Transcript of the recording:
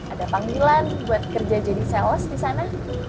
ada panggilan buat kerja jadi seos disana